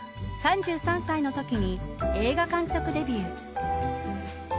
３３歳のときに映画監督デビュー。